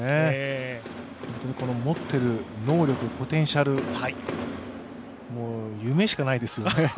持っている能力、ポテンシャル、夢しかないですよね。